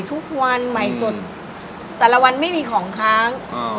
ทุกวันใหม่สดแต่ละวันไม่มีของค้าง